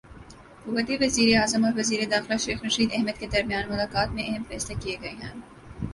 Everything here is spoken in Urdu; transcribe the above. کویتی وزیراعظم اور وزیر داخلہ شیخ رشید احمد کے درمیان ملاقات میں اہم فیصلے کیے گئے ہیں